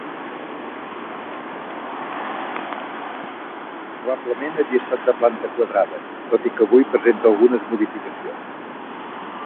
Probablement havia estat de planta quadrada, tot i que avui presenta algunes modificacions.